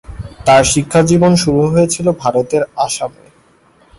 তার শিক্ষাজীবন শুরু হয়েছিলো ভারতের আসামে।